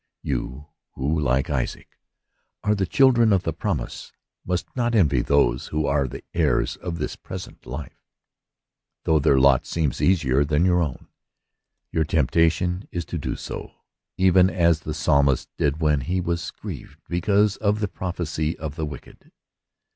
You, who like Isaac are the 32 According to the Promise. children of the promise, must not envy those who are the heirs of this present life, though their lot seems easier than your own. Your temptation is to do so ; even as the Psalmist did when he was grieved because of the prosperity of the wicked.